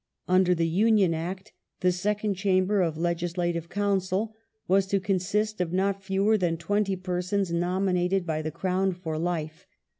Under the Union Act the ^"*^ Second Chamber of Legislative Council was to consist of not fewer than twenty pei sons nominated by the Crown for life.